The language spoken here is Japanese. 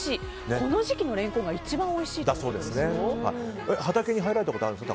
この時期のレンコンが一番おいしいということですよ。